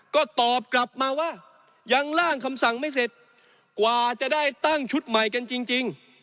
ก็ตอบกลับมาว่ายังล่างคำสั่งไม่เสร็จกว่าจะได้ตั้งชุดใหม่กันจริง